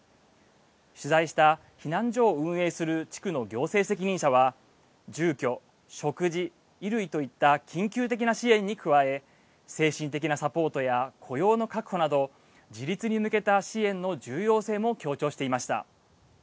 取材した避難所を運営する地区の行政責任者は住居、食事、衣類といった緊急的な支援に加え精神的なサポートや雇用の確保など自立に向けた支援の重要性も強調していました。